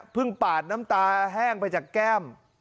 ปาดน้ำตาแห้งไปจากแก้ม